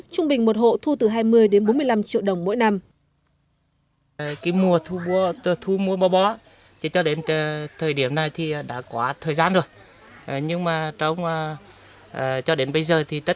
trung bình một hộ thu từ hai mươi đến bốn mươi năm triệu đồng mỗi năm